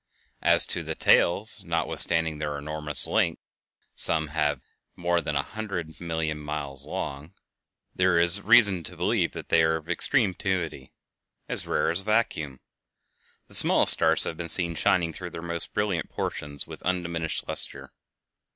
As to the tails, not withstanding their enormous length—some have been more than a hundred million miles long—there is reason to believe that they are of extreme tenuity, "as rare as vacuum." The smallest stars have been seen shining through their most brilliant portions with undiminished luster.